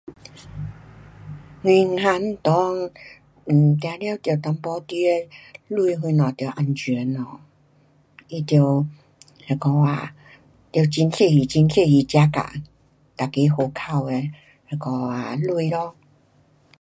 银行内 um 当然得担保你的钱什么得安全咯。你得那个啊很小心很小心 jaga 每个户口的钱咯。